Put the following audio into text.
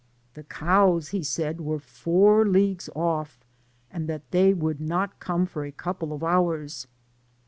The cows, he said, were four leagues off, and that they would not come for a couple of hours.